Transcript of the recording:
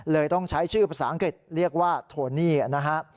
ต้องใช้ชื่อภาษาอังกฤษเรียกว่าโทนี่นะฮะ